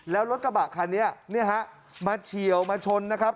แล้วรถกระบะคันนี้เนี่ยฮะมาเฉียวมาชนนะครับ